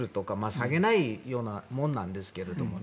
下げないようなもんなんですけど。